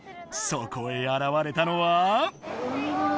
そこへあらわれたのは⁉お！